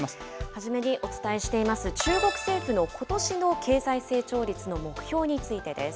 初めにお伝えしています、中国政府のことしの経済成長率の目標についてです。